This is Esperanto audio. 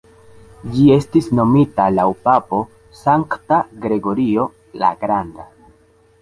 Ĝi estis nomita laŭ papo Sankta Gregorio la Granda.